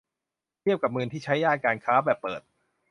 เทียบกับเมืองที่ใช้ย่านการค้าแบบเปิด